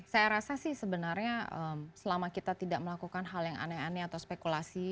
saya rasa sih sebenarnya selama kita tidak melakukan hal yang aneh aneh atau spekulasi